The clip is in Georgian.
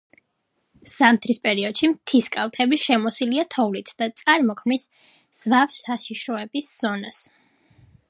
ზამთრის პერიოდში მთის კალთები შემოსილია თოვლით და წარმოქმნის ზვავსაშიშროების ზონას.